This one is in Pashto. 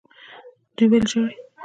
دوی ولې ژاړي.